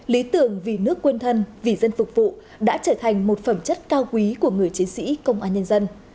lý tưởng vì nước quên thân vì dân phục vụ đã trở thành một phẩm chất cao quý của người chiến sĩ công an nhân dân